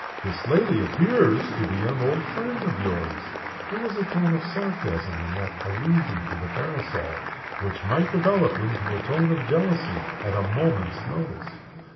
"This lady appears to be an old friend of yours." There was a tone of sarcasm in that allusion to the parasol, which might develop into a tone of jealousy at a moment's notice.